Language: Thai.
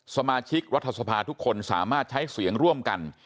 สมาชิกรัฐสภาทุกคนสามารถใช้เสียงร่วมกัน